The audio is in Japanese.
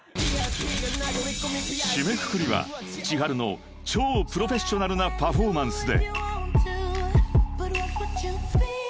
［締めくくりはｃｈｉｈａｒｕの超プロフェッショナルなパフォーマンスで］